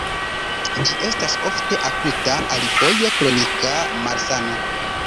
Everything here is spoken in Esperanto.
Ĝi estas ofte akuta, alifoje kronika malsano.